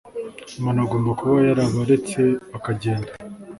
Umuntu agomba kuba yarabaretse bakagenda